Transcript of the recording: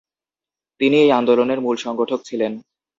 তিনি এই আন্দোলনের মূল সংগঠক ছিলেন।